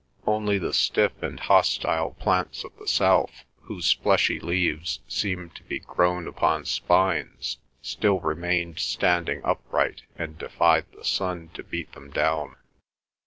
Only the stiff and hostile plants of the south, whose fleshy leaves seemed to be grown upon spines, still remained standing upright and defied the sun to beat them down.